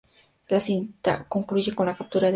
La cinta concluye con la captura del ladrón.